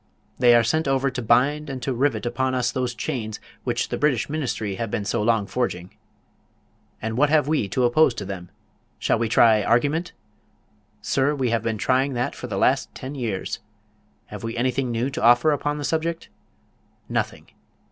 They are sent over to bind and to rivet upon us those chains which the British Ministry have been so long forging. And what have we to oppose to them? Shall we try argument? Sir, we have been trying that for the last ten years. Have we anything new to offer upon the subject? Nothing.